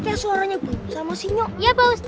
iya pandai juga pandai juga kamu sini